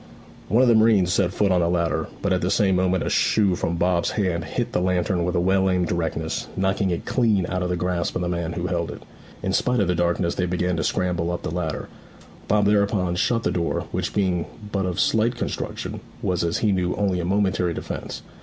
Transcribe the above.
One of the marines set foot on the ladder, but at the same moment a shoe from Bob's hand hit the lantern with well aimed directness, knocking it clean out of the grasp of the man who held it. In spite of the darkness they began to scramble up the ladder. Bob thereupon shut the door, which being but of slight construction, was as he knew only a momentary defence.